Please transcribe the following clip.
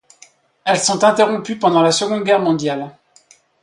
Elles sont interrompues pendant la Seconde Guerre mondiale.